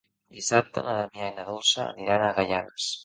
Dissabte na Damià i na Dolça aniran a Gaianes.